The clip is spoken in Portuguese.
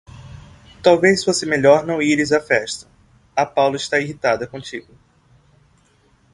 Talvez fosse melhor não ires à festa. A Paula está irritada contigo.